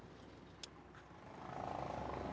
bapak saya ke sini